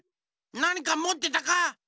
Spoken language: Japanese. なにかもってたか？